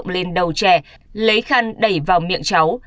lên đầu trẻ lấy khăn đẩy vào miệng cháu